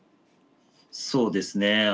そうですね。